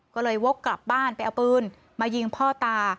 ก็เลยวกกลับบ้านไปเอาปืนมายิงพ่อตา